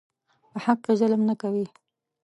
په حق کې ظلم نه کوي.